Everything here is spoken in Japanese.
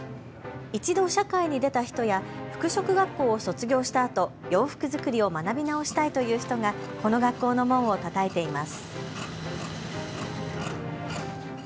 一度社会に出た人や服飾学校を卒業したあと洋服作りを学び直したいという人がこの学校の門をたたいています。